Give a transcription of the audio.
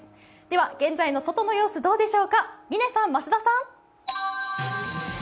では、現在の外の様子、どうでしょうか、嶺さん、増田さん。